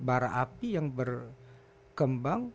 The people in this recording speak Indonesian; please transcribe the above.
barah api yang berkembang